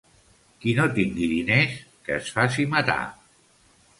Qui no tingui diners, que es faci matar.